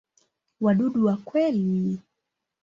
Wadudu wa kweli.